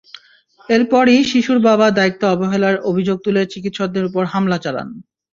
এরপরই শিশুর বাবা দায়িত্বে অবহেলার অভিযোগ তুলে চিকিৎসকদের ওপর হামলা চালান।